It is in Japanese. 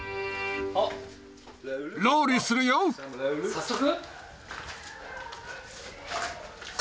早速？